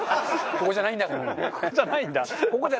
ここじゃないんだ。